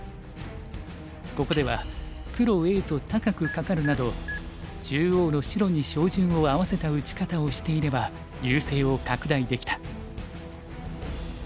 ここでは黒Ａと高くカカるなど中央の白に照準を合わせた打ち方をしていれば優勢を拡大できた。